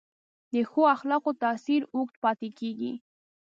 د ښو اخلاقو تاثیر اوږد پاتې کېږي.